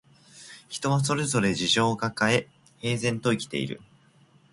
人はそれぞれ事情をかかえ、平然と生きている